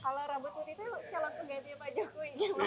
kalau rambut putih itu calon penggantinya pak jokowi